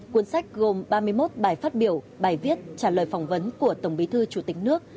cuốn sách gồm ba mươi một bài phát biểu bài viết trả lời phỏng vấn của tổng bí thư chủ tịch nước